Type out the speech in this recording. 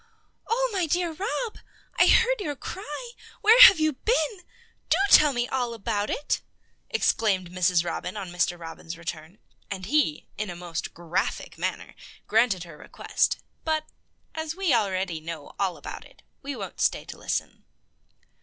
"Oh, my dear Rob! I heard your cry. Where have you been? Do tell me all about it!" exclaimed Mrs. Robin on Mr. Robin's return, and he, in a most graphic manner, granted her request; but, as we already know all about it, we won't stay to listen.